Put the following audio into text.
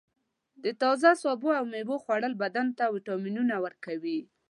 د تازه سبزیو او میوو خوړل بدن ته وټامینونه ورکوي.